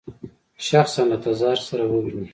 شخصاً له تزار سره وویني.